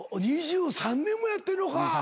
２３年もやってるのか。